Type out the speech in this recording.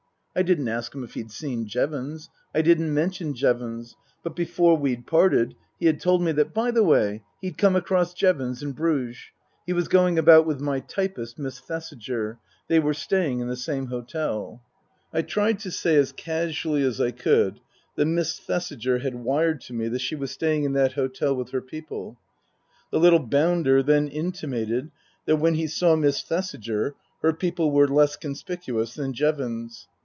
I didn't ask him if he'd seen Jevons ; I didn't mention Jevons ; but before we'd parted he had told me that, by the way, he'd come across Jevons in Bruges. He was going about with my typist, Miss Thesiger. They were staying in the same hotel. I tried to say as casually as I could that Miss Thesiger had wired to me that she was staying in that hotel with her people. The little bounder then intimated that when he saw Miss Thesiger her people were less conspicuous than Jevons.